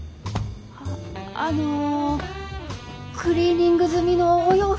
あのクリーニング済みのお洋服です。